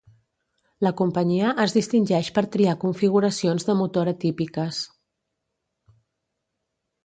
La companyia es distingeix per triar configuracions de motor atípiques.